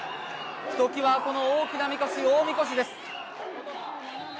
ひときわこの大きなみこし大みこしです。